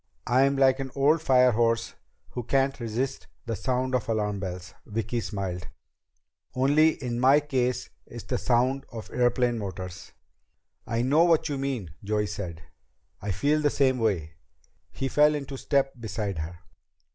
"I'm like an old firehorse who can't resist the sound of alarm bells." Vicki smiled. "Only in my case it's the sound of airplane motors." "I know what you mean," Joey said. "I feel the same way." He fell into step beside her.